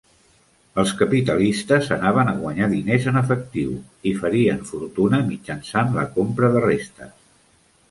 Els capitalistes anaven a guanyar diners en efectiu i farien fortuna mitjançant la compra de restes.